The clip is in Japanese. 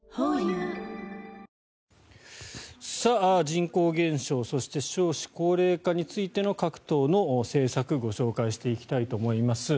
人口減少そして、少子高齢化についての各党の政策ご紹介していきたいと思います。